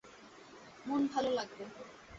মন ভালো লাগবে।